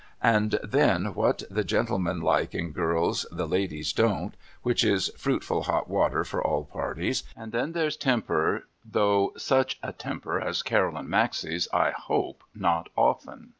And then what the gentlemen like in girls the ladies don't, which is fruitful hot water for all parties, and then there's temper though such a temper as Caroline Maxey's I hope not often.